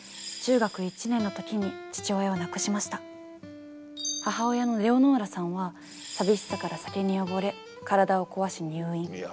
今回の主人公母親のレオノーラさんは寂しさから酒におぼれ体を壊し入院。